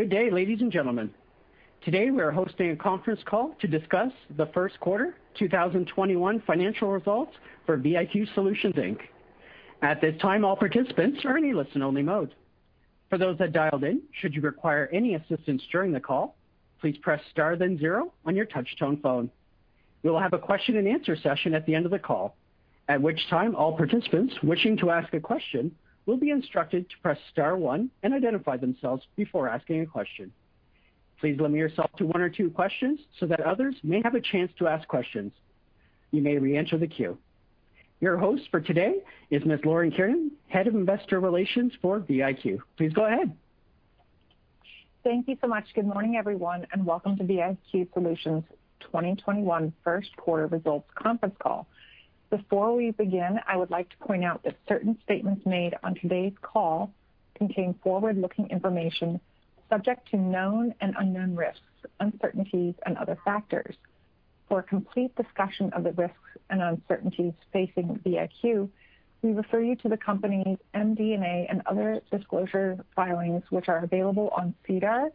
Good day, ladies and gentlemen. Today we are hosting a conference call to discuss the first quarter 2021 financial results for VIQ Solutions Inc. At this time, all participants are in listen-only mode. For those that dialed in, should you require any assistance during the call, please press star then zero on your touch-tone phone. We will have a question and answer session at the end of the call, at which time all participants wishing to ask a question will be instructed to press star one and identify themselves before asking a question. Please limit yourself to one or two questions so that others may have a chance to ask questions. You may reenter the queue. Your host for today is Ms. Laura Kiernan, Head of Investor Relations for VIQ. Please go ahead. Thank you so much. Good morning, everyone, and welcome to VIQ Solutions' 2021 first quarter results conference call. Before we begin, I would like to point out that certain statements made on today's call contain forward-looking information subject to known and unknown risks, uncertainties, and other factors. For a complete discussion of the risks and uncertainties facing VIQ, we refer you to the company's MD&A and other disclosure filings which are available on SEDAR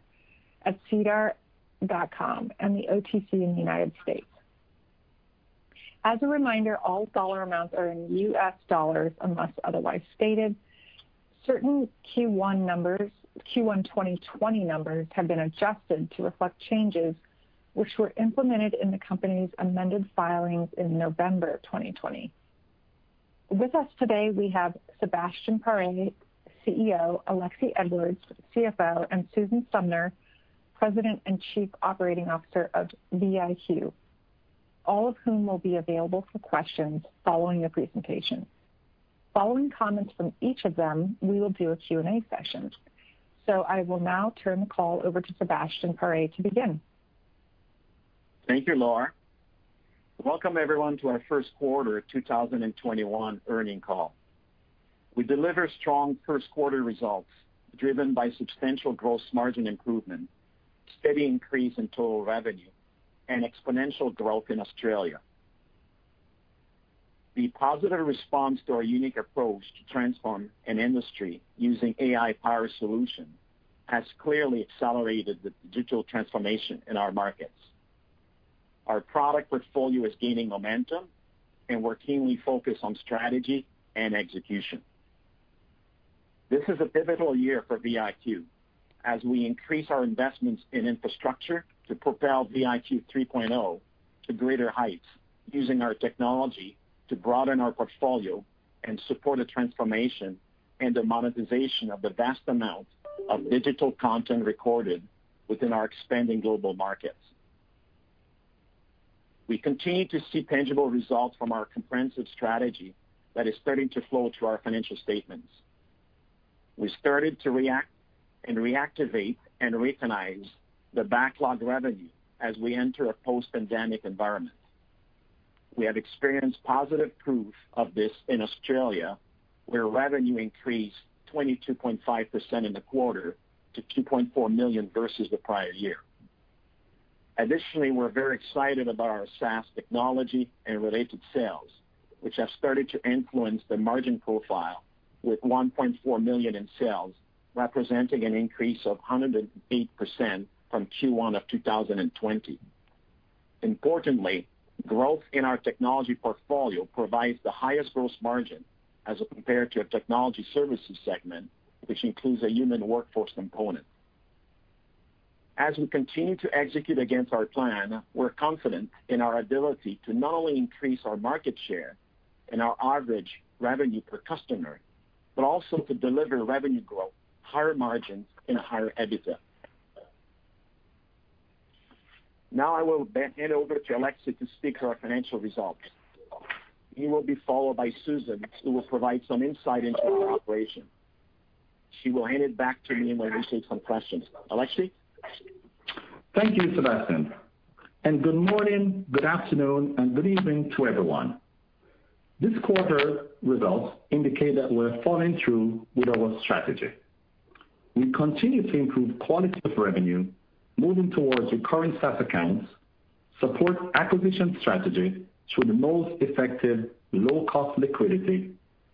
at sedar.com and the OTC in the U.S. As a reminder, all dollar amounts are in US dollars unless otherwise stated. Certain Q1 2020 numbers have been adjusted to reflect changes which were implemented in the company's amended filings in November 2020. With us today, we have Sebastien Paré, CEO, Alexie Edwards, CFO, and Susan Sumner, President and Chief Operating Officer of VIQ, all of whom will be available for questions following the presentation. Following comments from each of them, we will do a Q&A session. I will now turn the call over to Sebastien Paré to begin. Thank you, Laura. Welcome, everyone, to our first quarter 2021 earning call. We delivered strong first-quarter results driven by substantial gross margin improvement, steady increase in total revenue, and exponential growth in Australia. The positive response to our unique approach to transform an industry using AI-powered solution has clearly accelerated the digital transformation in our markets. Our product portfolio is gaining momentum, and we're keenly focused on strategy and execution. This is a pivotal year for VIQ as we increase our investments in infrastructure to propel VIQ 3.0 to greater heights using our technology to broaden our portfolio and support the transformation and the monetization of the vast amount of digital content recorded within our expanding global markets. We continue to see tangible results from our comprehensive strategy that is starting to flow through our financial statements. We started to reactivate and recognize the backlog revenue as we enter a post-pandemic environment. We have experienced positive proof of this in Australia, where revenue increased 22.5% in the quarter to $2.4 million versus the prior year. Additionally, we're very excited about our SaaS technology and related sales, which have started to influence the margin profile with $1.4 million in sales, representing an increase of 108% from Q1 of 2020. Importantly, growth in our technology portfolio provides the highest gross margin as compared to a technology services segment, which includes a human workforce component. As we continue to execute against our plan, we're confident in our ability to not only increase our market share and our average revenue per customer, but also to deliver revenue growth, higher margins, and a higher EBITDA. I will hand over to Alexie to speak to our financial results. He will be followed by Susan, who will provide some insight into our operation. She will hand it back to me when we take some questions. Alexie? Thank you, Sebastien, good morning, good afternoon, and good evening to everyone. This quarter results indicate that we're following through with our strategy. We continue to improve quality of revenue, moving towards recurring SaaS accounts, support acquisition strategy through the most effective low-cost liquidity,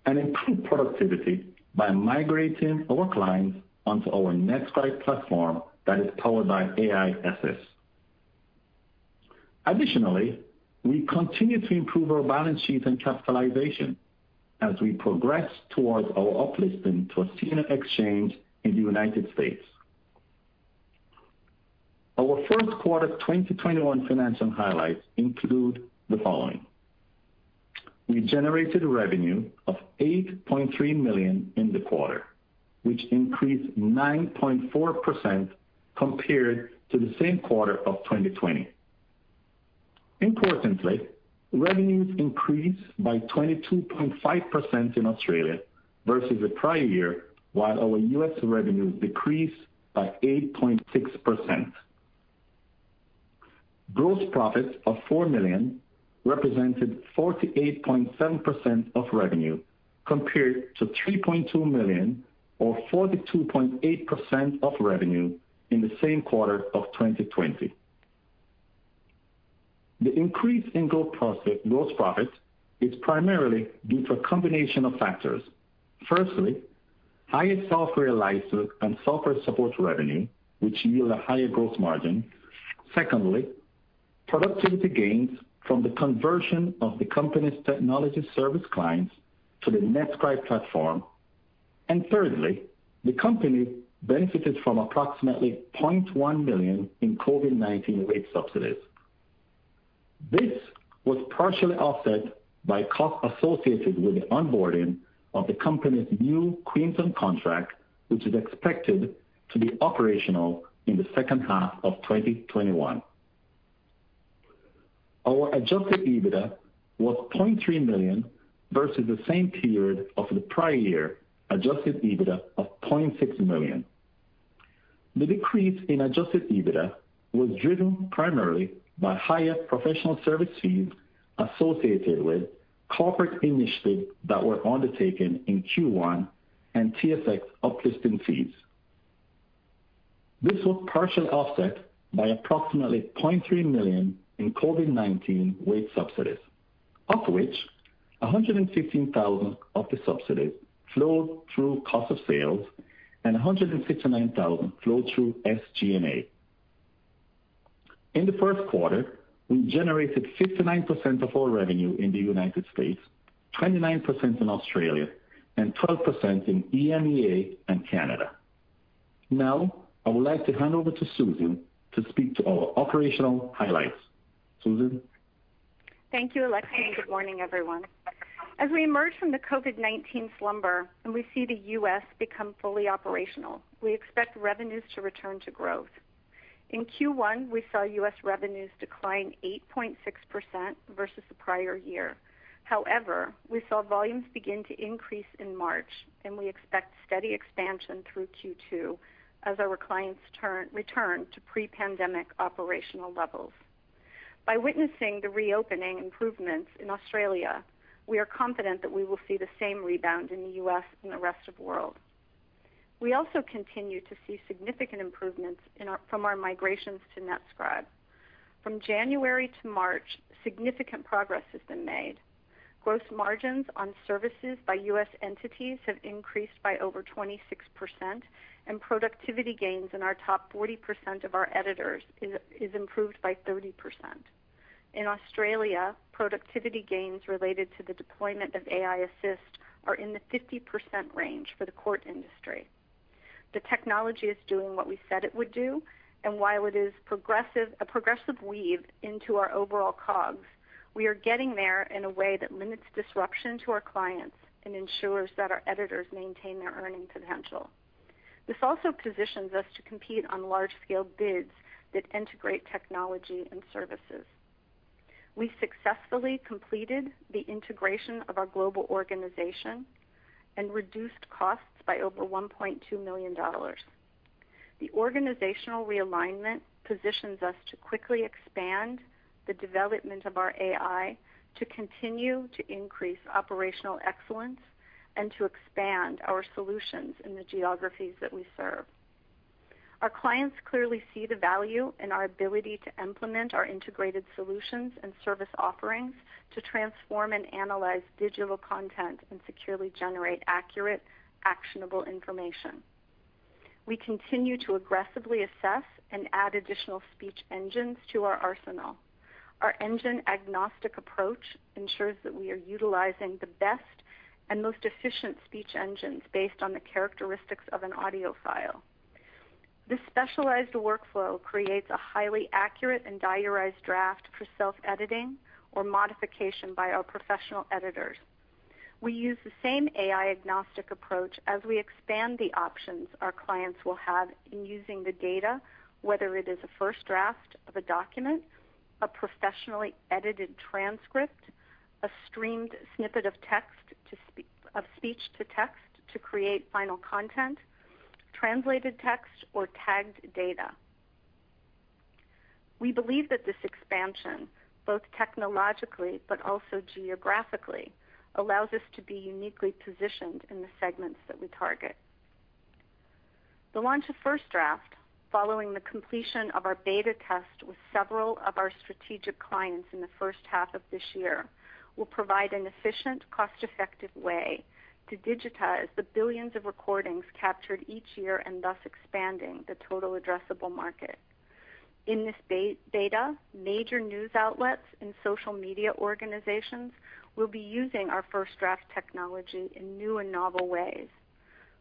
and improve productivity by migrating our clients onto our NetScribe platform that is power ed by aiAssist. Additionally, we continue to improve our balance sheet and capitalization as we progress towards our uplisting to a senior exchange in the United States. Our first quarter 2021 financial highlights include the following. We generated revenue of $8.3 million in the quarter, which increased 9.4% compared to the same quarter of 2020. Importantly, revenues increased by 22.5% in Australia versus the prior year, while our U.S. revenues decreased by 8.6%. Gross profits of $4 million represented 48.7% of revenue, compared to $3.2 million or 42.8% of revenue in the same quarter of 2020. The increase in gross profit is primarily due to a combination of factors. Firstly, higher software license and software support revenue, which yield a higher gross margin. Secondly, productivity gains from the conversion of the company's technology service clients to the NetScribe platform. Thirdly, the company benefited from approximately $0.1 million in COVID-19 wage subsidies. This was partially offset by costs associated with the onboarding of the company's new Queensland contract, which is expected to be operational in the second half of 2021. Our adjusted EBITDA was $0.3 million versus the same period of the prior year adjusted EBITDA of $0.6 million. The decrease in adjusted EBITDA was driven primarily by higher professional service fees associated with corporate initiatives that were undertaken in Q1 and TSX uplisting fees. This was partially offset by approximately $0.3 million in COVID-19 wage subsidies, of which $116,000 of the subsidies flowed through cost of sales and $169,000 flowed through SG&A. In the first quarter, we generated 69% of our revenue in the United States, 29% in Australia, and 12% in EMEA and Canada. Now, I would like to hand over to Susan to speak to our operational highlights. Susan? Thank you, Alexie. Good morning, everyone. As we emerge from the COVID-19 slumber and we see the U.S. become fully operational, we expect revenues to return to growth. In Q1, we saw U.S. revenues decline 8.6% versus the prior year. However, we saw volumes begin to increase in March, and we expect steady expansion through Q2 as our clients return to pre-pandemic operational levels. By witnessing the reopening improvements in Australia, we are confident that we will see the same rebound in the U.S. and the rest of the world. We also continue to see significant improvements from our migrations to NetScribe. From January to March, significant progress has been made. Gross margins on services by U.S. entities have increased by over 26%, and productivity gains in our top 40% of our editors is improved by 30%. In Australia, productivity gains related to the deployment of aiAssist are in the 50% range for the court industry. The technology is doing what we said it would do, and while it is a progressive weave into our overall COGS, we are getting there in a way that limits disruption to our clients and ensures that our editors maintain their earning potential. This also positions us to compete on large-scale bids that integrate technology and services. We successfully completed the integration of our global organization and reduced costs by over $1.2 million. The organizational realignment positions us to quickly expand the development of our AI, to continue to increase operational excellence, and to expand our solutions in the geographies that we serve. Our clients clearly see the value in our ability to implement our integrated solutions and service offerings to transform and analyze digital content and securely generate accurate, actionable information. We continue to aggressively assess and add additional speech engines to our arsenal. Our engine-agnostic approach ensures that we are utilizing the best and most efficient speech engines based on the characteristics of an audio file. This specialized workflow creates a highly accurate and diarized draft for self-editing or modification by our professional editors. We use the same AI agnostic approach as we expand the options our clients will have in using the data, whether it is a first draft of a document, a professionally edited transcript, a streamed snippet of speech-to-text to create final content, translated text, or tagged data. We believe that this expansion, both technologically but also geographically, allows us to be uniquely positioned in the segments that we target. The launch of FirstDraft, following the completion of our beta test with several of our strategic clients in the first half of this year, will provide an efficient, cost-effective way to digitize the billions of recordings captured each year and thus expanding the total addressable market. In this beta, major news outlets and social media organizations will be using our FirstDraft technology in new and novel ways.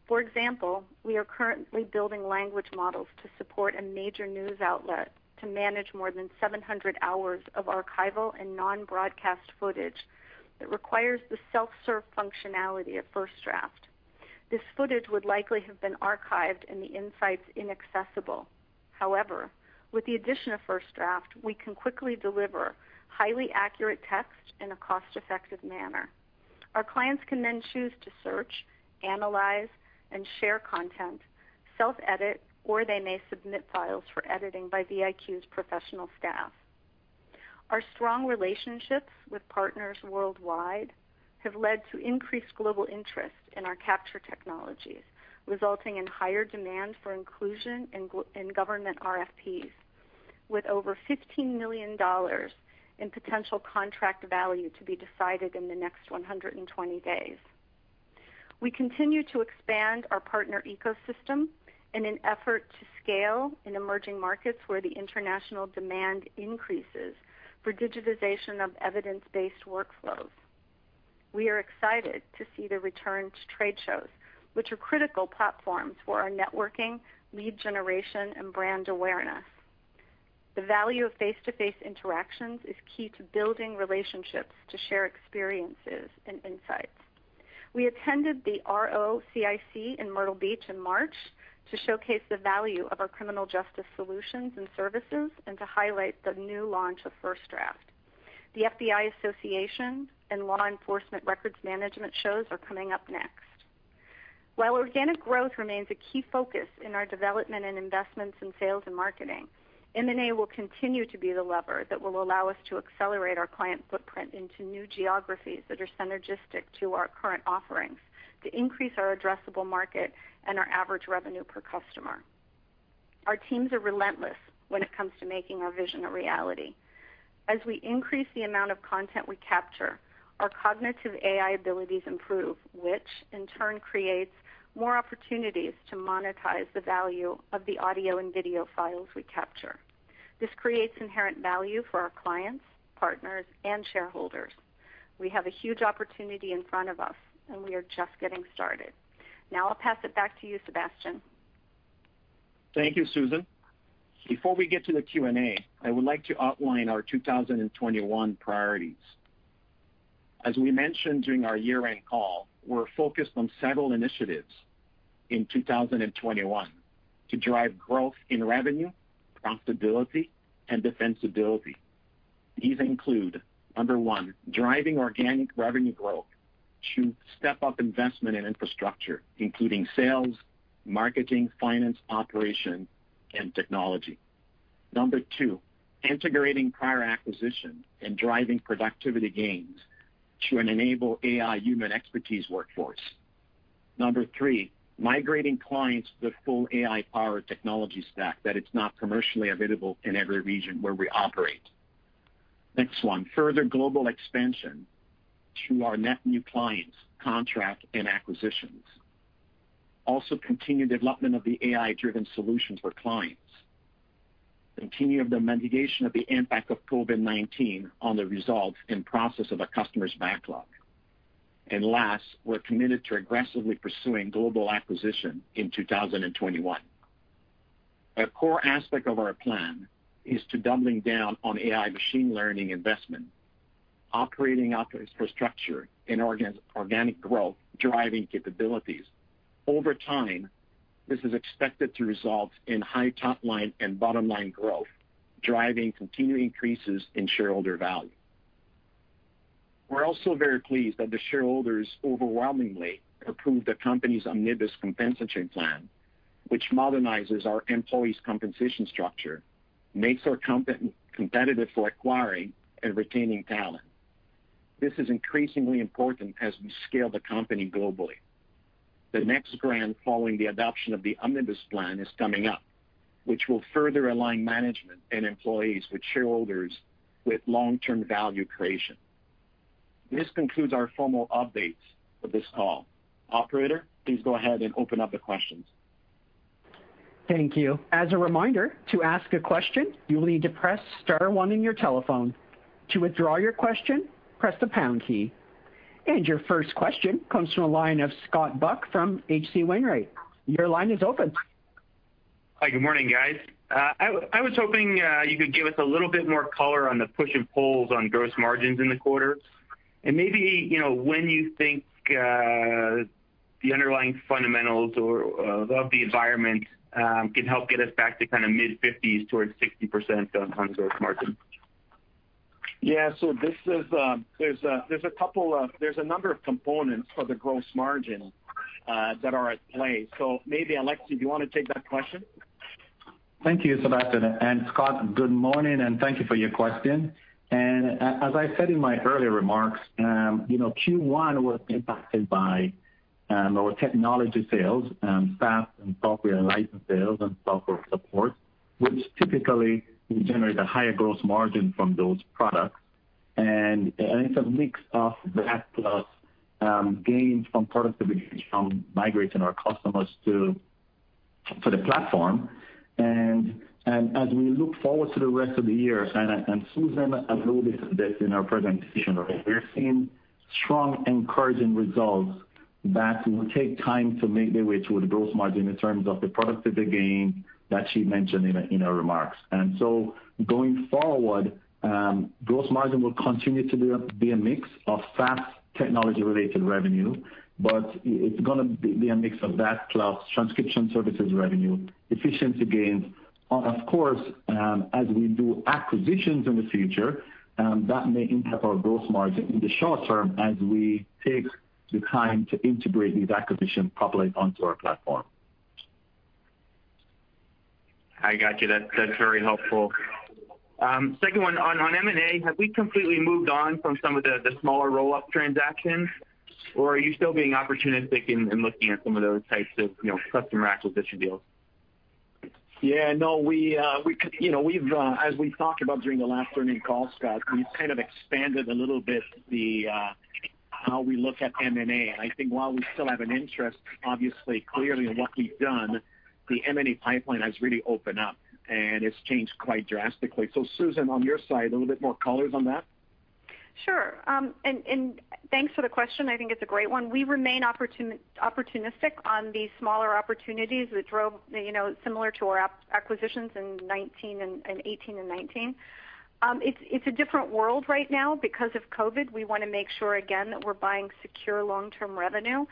For example, we are currently building language models to support a major news outlet to manage more than 700 hours of archival and non-broadcast footage that requires the self-serve functionality of FirstDraft. This footage would likely have been archived and the insights inaccessible. With the addition of FirstDraft, we can quickly deliver highly accurate text in a cost-effective manner. Our clients can choose to search, analyze, and share content, self-edit, or they may submit files for editing by VIQ's professional staff. Our strong relationships with partners worldwide have led to increased global interest in our capture technologies, resulting in higher demand for inclusion in government RFPs. With over $15 million in potential contract value to be decided in the next 120 days. We continue to expand our partner ecosystem in an effort to scale in emerging markets where the international demand increases for digitization of evidence-based workflows. We are excited to see the return to trade shows, which are critical platforms for our networking, lead generation, and brand awareness. The value of face-to-face interactions is key to building relationships to share experiences and insights. We attended the ROCIC in Myrtle Beach in March to showcase the value of our criminal justice solutions and services, and to highlight the new launch of FirstDraft. The FBI Association and Law Enforcement Records Management shows are coming up next. While organic growth remains a key focus in our development and investments in sales and marketing, M&A will continue to be the lever that will allow us to accelerate our client footprint into new geographies that are synergistic to our current offerings to increase our addressable market and our average revenue per customer. Our teams are relentless when it comes to making our vision a reality. As we increase the amount of content we capture, our cognitive AI abilities improve, which in turn creates more opportunities to monetize the value of the audio and video files we capture. This creates inherent value for our clients, partners, and shareholders. We have a huge opportunity in front of us, and we are just getting started. I'll pass it back to you, Sebastien. Thank you, Susan. Before we get to the Q&A, I would like to outline our 2021 priorities. As we mentioned during our year-end call, we're focused on several initiatives in 2021 to drive growth in revenue, profitability, and defensibility. These include, number one, driving organic revenue growth to step up investment in infrastructure, including sales, marketing, finance, operation, and technology. Number two, integrating prior acquisitions and driving productivity gains to enable AI human expertise workforce. Number three, migrating clients to the full AI-powered technology stack that is not commercially available in every region where we operate. Next one, further global expansion through our net new clients, contracts, and acquisitions. Continued development of the AI-driven solutions for clients. Continuing the mitigation of the impact of COVID-19 on the results and process of our customers' backlog. Last, we're committed to aggressively pursuing global acquisition in 2021. A core aspect of our plan is to doubling down on AI machine learning investment, operating infrastructure, and organic growth-driving capabilities. Over time, this is expected to result in high top-line and bottom-line growth, driving continued increases in shareholder value. We're also very pleased that the shareholders overwhelmingly approved the company's omnibus compensation plan, which modernizes our employees' compensation structure, makes our company competitive for acquiring and retaining talent. This is increasingly important as we scale the company globally. The next grant following the adoption of the omnibus plan is coming up, which will further align management and employees with shareholders with long-term value creation. This concludes our formal updates for this call. Operator, please go ahead and open up the questions. Thank you. As a reminder, to ask a question, you will need to press star one on your telephone. To withdraw your question, press the pound key. Your first question comes from the line of Scott Buck from H.C. Wainwright & Co. Your line is open. Hi, good morning, guys. I was hoping you could give us a little bit more color on the push and pulls on gross margins in the quarter, maybe when you think the underlying fundamentals of the environment can help get us back to mid-50s towards 60% on gross margin? Yeah. There's a number of components for the gross margin that are at play. Maybe, Alexie, do you want to take that question? Thank you, Sebastien. Scott, good morning, and thank you for your question. As I said in my earlier remarks, Q1 was impacted by our technology sales, SaaS and software license sales, and software support, which typically we generate a higher gross margin from those products. It's a mix of that plus gains from productivity from migrating our customers to the platform. As we look forward to the rest of the year, Susan alluded to this in her presentation, we're seeing strong, encouraging results that will take time to make their way through the gross margin in terms of the productivity gain that she mentioned in her remarks. Going forward, gross margin will continue to be a mix of SaaS technology-related revenue. It's going to be a mix of that plus transcription services revenue, efficiency gains. Of course, as we do acquisitions in the future, that may impact our gross margin in the short term as we take the time to integrate these acquisitions properly onto our platform. I got you. That's very helpful. Second one, on M&A, have we completely moved on from some of the smaller roll-up transactions, or are you still being opportunistic in looking at some of those types of custom acquisition deals? Yeah, no. As we've talked about during the last earnings call, Scott, we've kind of expanded a little bit how we look at M&A. I think while we still have an interest, obviously, clearly in what we've done, the M&A pipeline has really opened up, and it's changed quite drastically. Susan, on your side, a little bit more colors on that? Sure. Thanks for the question. I think it's a great one. We remain opportunistic on these smaller opportunities that drove similar to our acquisitions in 2018 and 2019. It's a different world right now because of COVID-19. We want to make sure, again, that we're buying secure long-term revenue.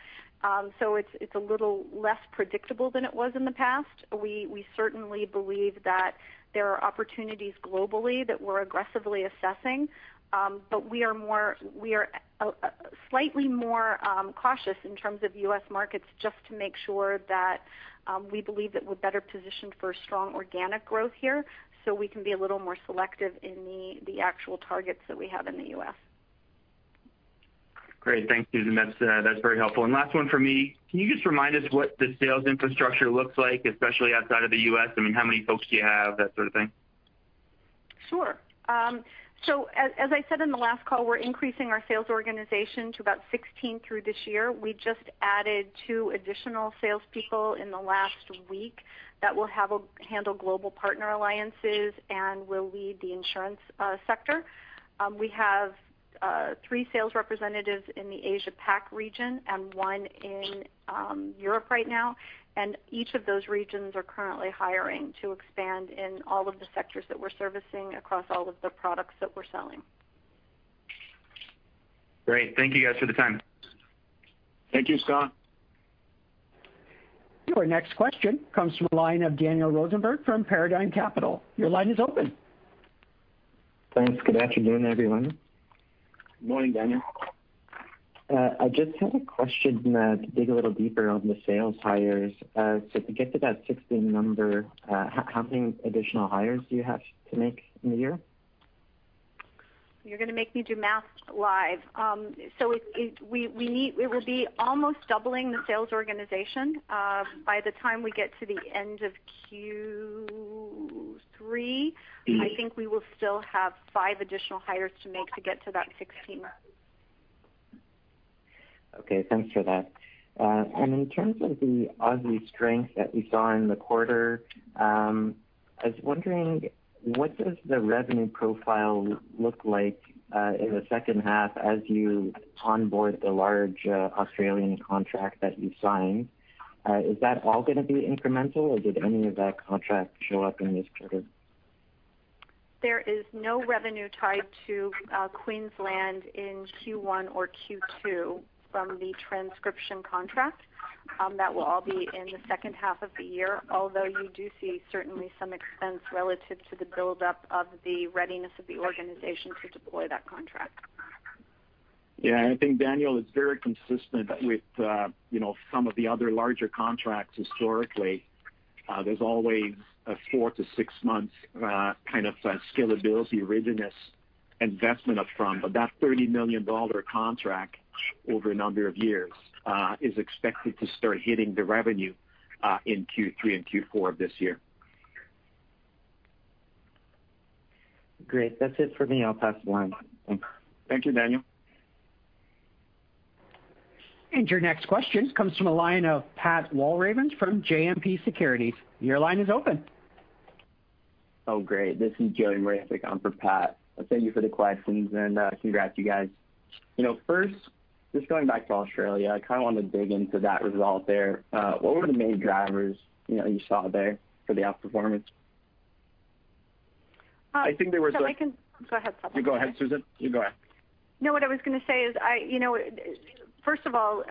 It's a little less predictable than it was in the past. We certainly believe that there are opportunities globally that we're aggressively assessing. We are slightly more cautious in terms of U.S. markets just to make sure that we believe that we're better positioned for strong organic growth here so we can be a little more selective in the actual targets that we have in the U.S. Great. Thanks, Susan. That's very helpful. Last one from me, can you just remind us what the sales infrastructure looks like, especially outside of the U.S.? How many folks do you have, that sort of thing? Sure. As I said in the last call, we're increasing our sales organization to about 16 through this year. We just added two additional salespeople in the last week that will handle global partner alliances and will lead the insurance sector. We have three sales representatives in the Asia Pac region and one in Europe right now. Each of those regions are currently hiring to expand in all of the sectors that we're servicing across all of the products that we're selling. Great. Thank you guys for the time. Thank you, Scott. Our next question comes from the line of Daniel Rosenberg from Paradigm Capital. Your line is open. Thanks. Good afternoon, everyone. Good morning, Daniel. I just had a question to dig a little deeper on the sales hires. If you get to that 16 number, how many additional hires do you have to make in the year? You're going to make me do math live. We will be almost doubling the sales organization. By the time we get to the end of Q3, I think we will still have five additional hires to make to get to that 16 mark. Okay. Thanks for that. In terms of the Aussie strength that we saw in the quarter, I was wondering, what does the revenue profile look like in the second half as you onboard the large Australian contract that you signed? Is that all going to be incremental, or did any of that contract show up in this quarter? There is no revenue tied to Queensland in Q1 or Q2 from the transcription contract. That will all be in the second half of the year, although you do see certainly some expense relative to the buildup of the readiness of the organization to deploy that contract. Yeah, I think Daniel, it's very consistent with some of the other larger contracts historically. There's always a four to six months kind of scalability readiness investment upfront, but that $30 million contract over a number of years is expected to start hitting the revenue in Q3 and Q4 of this year. Great. That's it for me. I'll pass the line. Thanks. Thank you, Daniel. Your next question comes from the line of Patrick Walravens from JMP Securities. Your line is open. Oh, great. This is Joe Moravec on for Pat. Thank you for the questions and congrats, you guys. First, just going back to Australia, I kind of want to dig into that result there. What were the main drivers you saw there for the outperformance? I think there was. Go ahead, Paré. You go ahead, Susan. You go ahead. What I was going to say is, first of all,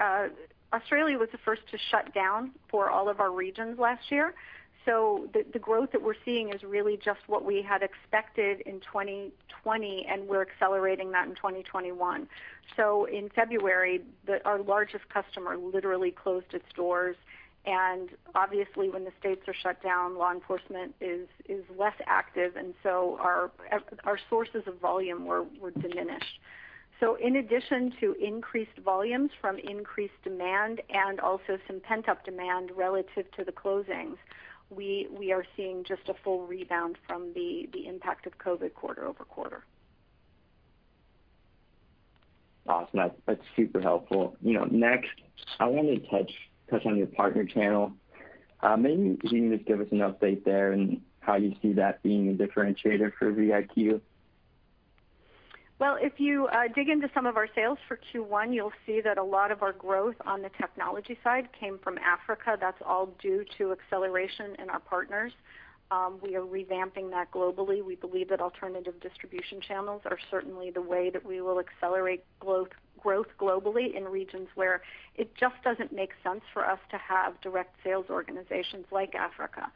Australia was the first to shut down for all of our regions last year. The growth that we're seeing is really just what we had expected in 2020, and we're accelerating that in 2021. In February, our largest customer literally closed its doors, and obviously, when the states are shut down, law enforcement is less active, and so our sources of volume were diminished. In addition to increased volumes from increased demand and also some pent-up demand relative to the closings, we are seeing just a full rebound from the impact of COVID quarter-over-quarter. Awesome. That's super helpful. Next, I wanted to touch on your partner channel. Maybe can you just give us an update there and how you see that being a differentiator for VIQ? Well, if you dig into some of our sales for Q1, you will see that a lot of our growth on the technology side came from Africa. That is all due to acceleration in our partners. We are revamping that globally. We believe that alternative distribution channels are certainly the way that we will accelerate growth globally in regions where it just doesn't make sense for us to have direct sales organizations like Africa.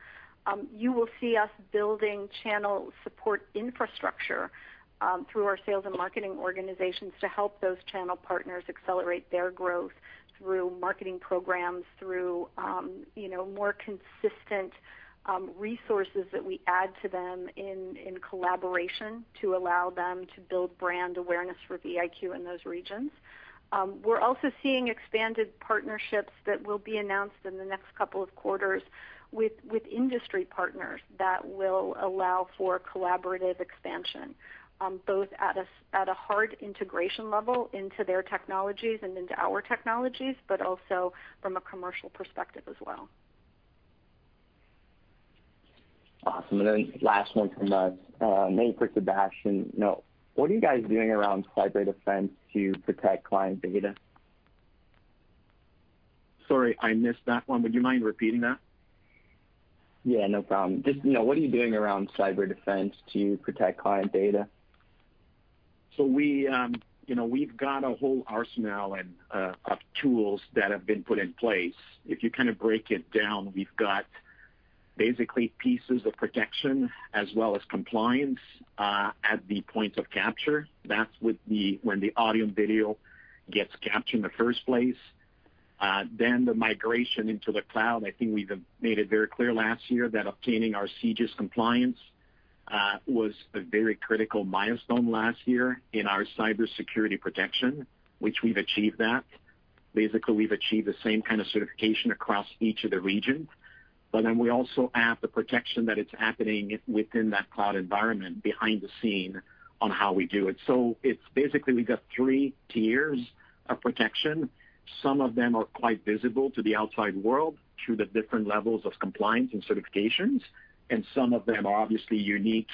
You will see us building channel support infrastructure through our sales and marketing organizations to help those channel partners accelerate their growth through marketing programs, through more consistent resources that we add to them in collaboration to allow them to build brand awareness for VIQ in those regions. We're also seeing expanded partnerships that will be announced in the next couple of quarters with industry partners that will allow for collaborative expansion both at a hard integration level into their technologies and into our technologies, but also from a commercial perspective as well. Awesome. Last one from us. Maybe for Sebastien. What are you guys doing around cyber defense to protect client data? Sorry, I missed that one. Would you mind repeating that? Yeah, no problem. Just what are you doing around cyber defense to protect client data? We've got a whole arsenal of tools that have been put in place. If you kind of break it down, we've got basically pieces of protection as well as compliance, at the point of capture. That's when the audio and video gets captured in the first place. The migration into the cloud. I think we've made it very clear last year that obtaining our CJIS compliance, was a very critical milestone last year in our cybersecurity protection, which we've achieved that. We've achieved the same kind of certification across each of the regions. We also add the protection that it's happening within that cloud environment behind the scene on how we do it. It's basically we've got three tiers of protection. Some of them are quite visible to the outside world through the different levels of compliance and certifications. Some of them are obviously unique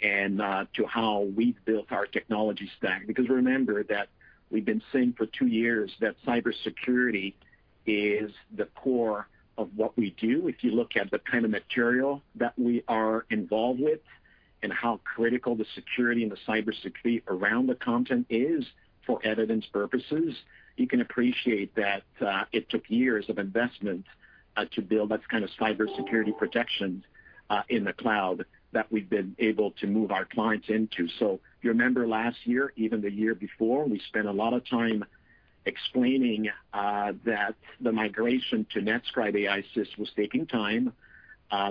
to how we've built our technology stack. Remember that we've been saying for two years that cybersecurity is the core of what we do. If you look at the kind of material that we are involved with and how critical the security and the cybersecurity around the content is for evidence purposes, you can appreciate that it took years of investment to build that kind of cybersecurity protection in the cloud that we've been able to move our clients into. You remember last year, even the year before, we spent a lot of time explaining that the migration to NetScribe aiAssist was taking time.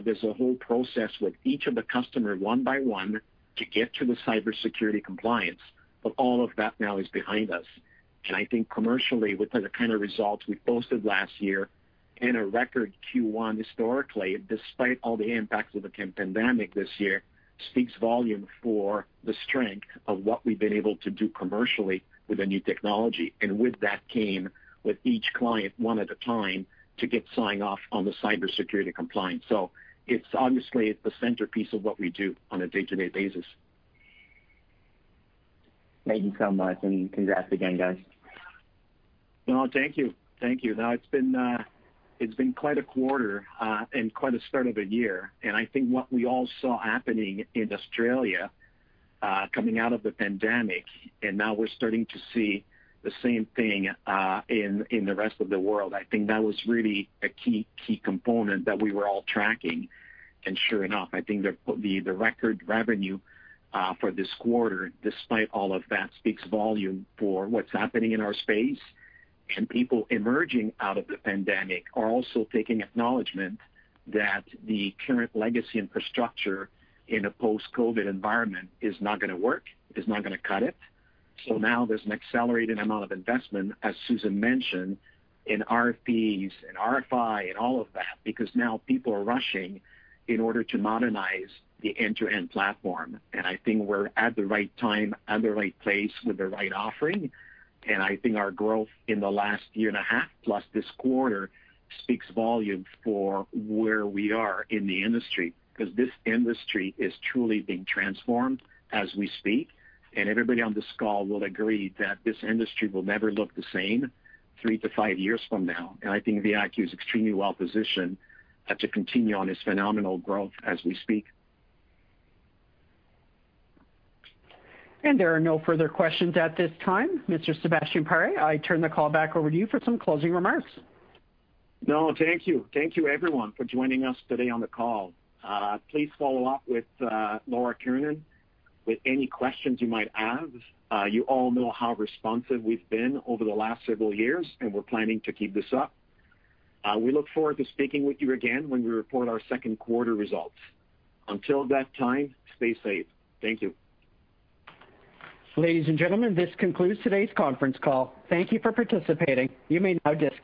There's a whole process with each of the customer, one by one, to get to the cybersecurity compliance. All of that now is behind us. I think commercially, with the kind of results we posted last year in a record Q1 historically, despite all the impacts of the pandemic this year, speaks volume for the strength of what we've been able to do commercially with the new technology. With that came with each client, one at a time, to get sign-off on the cybersecurity compliance. It's obviously the centerpiece of what we do on a day-to-day basis. Thank you so much, and congrats again, guys. Well, thank you. Thank you. No, it's been quite a quarter, and quite a start of a year. I think what we all saw happening in Australia, coming out of the pandemic, and now we're starting to see the same thing in the rest of the world. I think that was really a key component that we were all tracking. Sure enough, I think the record revenue for this quarter, despite all of that, speaks volume for what's happening in our space. People emerging out of the pandemic are also taking acknowledgment that the current legacy infrastructure in a post-COVID environment is not going to work, is not going to cut it. Now there's an accelerated amount of investment, as Susan mentioned, in RFPs and RFI and all of that, because now people are rushing in order to modernize the end-to-end platform. I think we're at the right time, at the right place with the right offering. I think our growth in the last year and a half, plus this quarter, speaks volume for where we are in the industry, because this industry is truly being transformed as we speak. Everybody on this call will agree that this industry will never look the same three to five years from now. I think VIQ is extremely well-positioned to continue on its phenomenal growth as we speak. There are no further questions at this time. Mr. Sebastien Paré, I turn the call back over to you for some closing remarks. No, thank you. Thank you everyone for joining us today on the call. Please follow up with Laura Kiernan with any questions you might have. You all know how responsive we've been over the last several years, and we're planning to keep this up. We look forward to speaking with you again when we report our second quarter results. Until that time, stay safe. Thank you. Ladies and gentlemen, this concludes today's conference call. Thank you for participating. You may now disconnect.